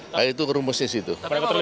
nah itu rumusnya situ